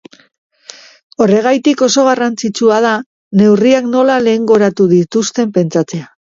Horregatik, oso garrantzitsua da neurriak nola lehengoratuko ditugun pentsatzea.